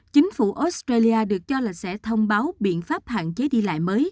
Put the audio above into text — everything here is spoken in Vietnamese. chính phủ australia được cho là sẽ thông báo biện pháp hạn chế đi lại mới